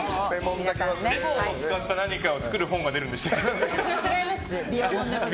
レモンを使った何かを作る本が出るんでしたっけ。